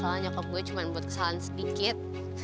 masalah nyokap gue cuman buat kesalahan sedikit